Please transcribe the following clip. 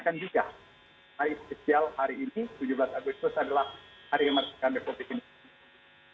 akan juga hari spesial hari ini tujuh belas agustus adalah hari yang meresmikan depopis indonesia